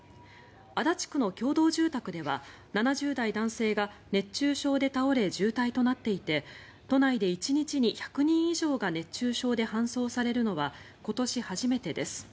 足立区の共同住宅では７０代男性が熱中症で倒れ、重体となっていて都内で１日に１００人以上が熱中症で搬送されるのは今年初めてです。